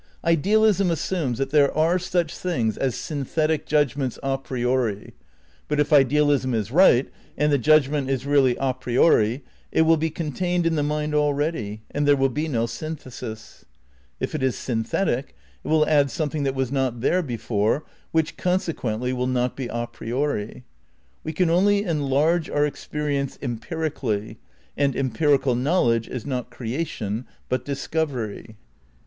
Idealism assumes that there are such things as synthetic judgments a priori; but if idpalism is right and the judgment is really a priori it will be contained in the mind already and there will be no synthesis ; if it is synthetic it will add something that was not there before, which consequently will not be a priori. We can only enlarge our experience em pirically, and empirical knowledge is not creation but discovery.